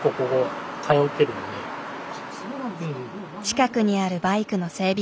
近くにあるバイクの整備